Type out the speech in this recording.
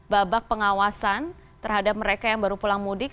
babak pengawasan terhadap mereka yang baru pulang mudik